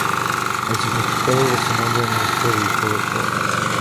El significado de su nombre no está del todo claro.